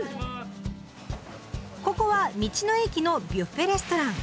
ここは道の駅のビュッフェレストラン。